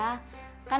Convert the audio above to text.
kan lebih baik